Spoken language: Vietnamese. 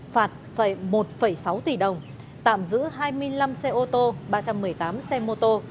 phạt một sáu tỷ đồng tạm giữ hai mươi năm xe ô tô ba trăm một mươi tám xe mô tô